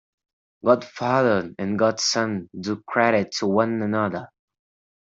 Godfather and godson do credit to one another.